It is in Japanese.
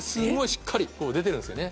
しっかり出てるんですよね